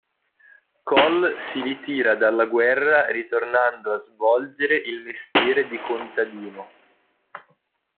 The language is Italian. Coll si ritira dalla guerra ritornando a svolgere il mestiere di contadino.